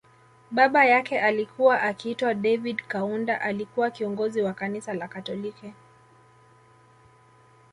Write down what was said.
Baba yake alikuwa akiitwa David Kaunda alikuwa kiongozi Wa kanisa la katoliki